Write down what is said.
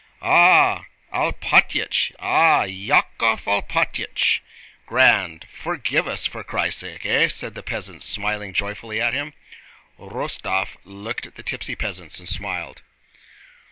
"Ah!... Alpátych... Ah, Yákov Alpátych... Grand! Forgive us for Christ's sake, eh?" said the peasants, smiling joyfully at him. Rostóv looked at the tipsy peasants and smiled.